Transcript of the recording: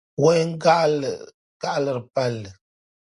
wain gaɣili pali.